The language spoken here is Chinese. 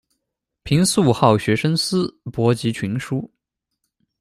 平素好学深思，博极群书。